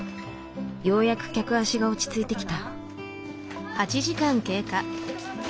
ようやく客足が落ち着いてきた。